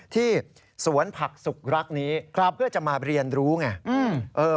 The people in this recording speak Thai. ที่สวนผักสุขรักนี้เพื่อจะมาเรียนรู้ไง